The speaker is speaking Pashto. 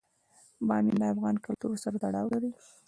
بامیان د افغان کلتور سره تړاو لري.